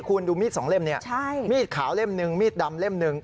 คุณดูมีดสองเล่มเนี่ยมีดขาวเล่มหนึ่งมีดดำเล่มหนึ่ง